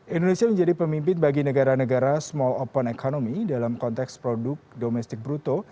indonesia menjadi pemimpin bagi negara negara small open economy dalam konteks produk domestik bruto